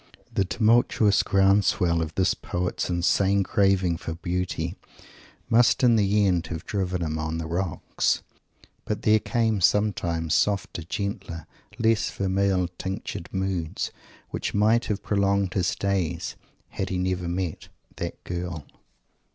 The tumultuous ground swell of this poet's insane craving for Beauty must in the end have driven him on the rocks; but there came sometimes softer, gentler, less "vermeil tinctured" moods, which might have prolonged his days, had he never met "that girl."